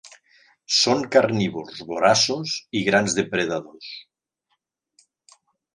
Són carnívors voraços i grans depredadors.